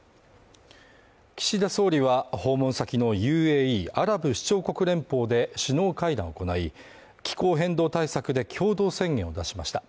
岸田総理は訪問先のＵＡＥ＝アラブ首長国連邦で首脳会談を行い気候変動対策で共同宣言を出しました。